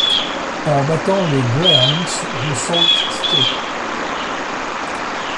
En battant les Greyhounds de Sault Ste.